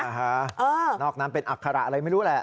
อ่าฮะนอกน้ำเป็นอักขระอะไรไม่รู้แหละ